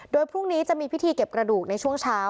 โดยพรุ่งนี้จะมีพิธีเก็บกระดูกในช่วงเช้า